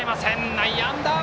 内野安打。